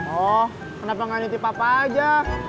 oh kenapa gak nyuti papa aja